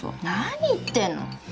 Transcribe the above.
何言ってんの？